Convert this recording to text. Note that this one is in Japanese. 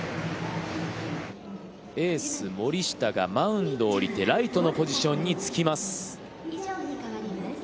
エース森下がマウンドを降りてライトのポジションにつきます。